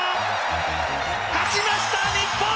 勝ちました日本！